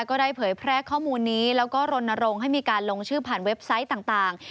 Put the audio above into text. ก็ได้เผยแพร่ข้อมูลนี้แล้วก็รณรงค์ให้มีการลงชื่อผ่านเว็บไซต์ต่าง